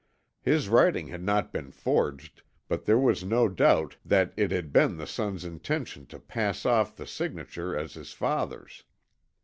His writing had not been forged, but there was no doubt that it had been the son's intention to pass off the signature as his father's.